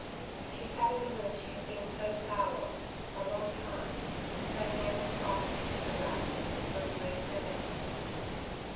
She sat in the room she had been so proud of, a long time, her hands clasped in her lap, reviewing her memories.